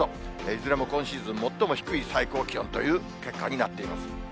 いずれも今シーズン最も低い最高気温という結果になっています。